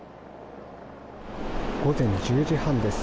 午前１０時半です。